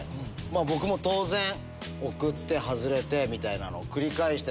僕も当然送って外れてみたいなのを繰り返してて。